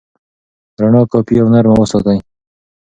رڼا کافي او نرمه وساتئ.